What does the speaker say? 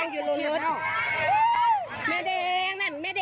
ขอบคุณครับ